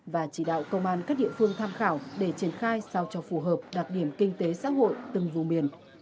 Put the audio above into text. và chỉ đạo công an các địa phương tham khảo để triển khai sao cho phù hợp đặc điểm kinh tế xã hội từng vùng miền